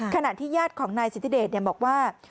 ขณะที่ญาติของนายสิทธิเดชบอกว่า